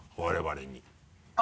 我々に。